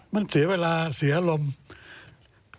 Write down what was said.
มันเสียเวลาเสียอารมณ์